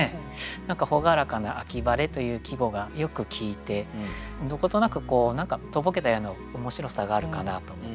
何か朗らかな「秋晴」という季語がよく効いてどことなく何かとぼけたような面白さがあるかなと思って。